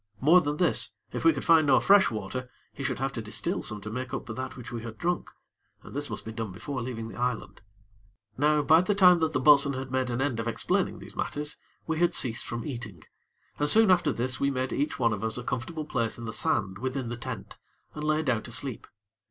More than this, if we could find no fresh water, he should have to distil some to make up for that which we had drunk, and this must be done before leaving the island. Now by the time that the bo'sun had made an end of explaining these matters, we had ceased from eating, and soon after this we made each one of us a comfortable place in the sand within the tent, and lay down to sleep.